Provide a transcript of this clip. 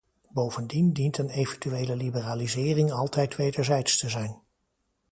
Bovendien dient een eventuele liberalisering altijd wederzijds te zijn.